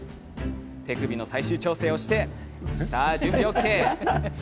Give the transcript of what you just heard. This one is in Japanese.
手首の最終調整をして準備ＯＫ。